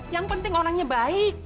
yang penting orangnya baik